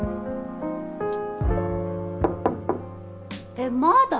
えっまだ？